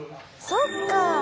そっか。